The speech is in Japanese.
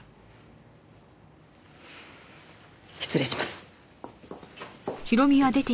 失礼します。